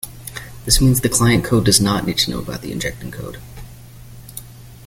This means the client code does not need to know about the injecting code.